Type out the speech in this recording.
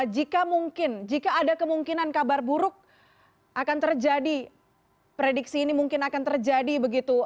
jika mungkin jika ada kemungkinan kabar buruk akan terjadi prediksi ini mungkin akan terjadi begitu